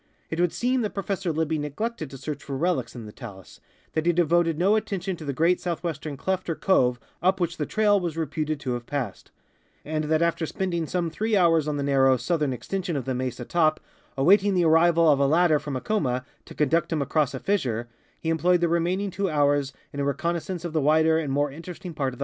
It would seem that Professor Libbey neglected to search for relics in the talus, that he devoted no attention to the great southwestern cleft or cove up which the trail was reputed to have passed, and that after spending some three hours on the narrow southern extension of the mesa top, awaiting the arrival of a ladder from Acoma to conduct him across a fissure, he employed the remaining two hours in a reconnaissance of the wider and more interesting part of the height, finding noth ing that would indicate even a former visit by human beings.